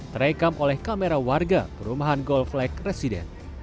terekam oleh kamera warga perumahan gold flag residen